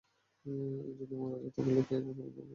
এ যদি মারা যায় তবে লোকে বলবে ঐ মহিলাটিই তাকে হত্যা করেছে।